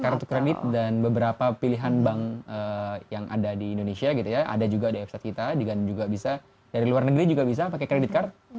kartu kredit dan beberapa pilihan bank yang ada di indonesia gitu ya ada juga di website kita juga bisa dari luar negeri juga bisa pakai kredit card